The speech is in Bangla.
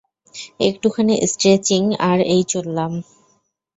একটুখানি স্ট্রেচিং আর এই চললাম।